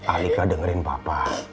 alika dengerin papa